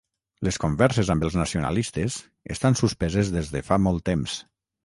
Les converses amb els nacionalistes estan suspeses des de fa molt temps.